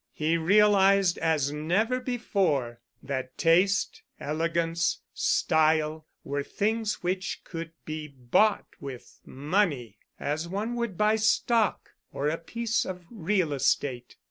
He realized, as never before, that taste, elegance, style, were things which could be bought with money, as one would buy stock or a piece of real estate.